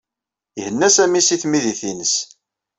Ihenna Sami seg tmidit-nnes.